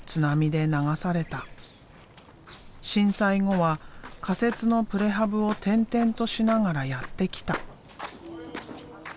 震災後は仮設のプレハブを転々としながらやってきた。